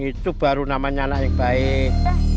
hidup baru namanya anak yang baik